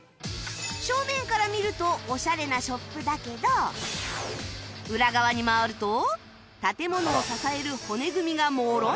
正面から見るとオシャレなショップだけど裏側に回ると建物を支える骨組みがモロ見え！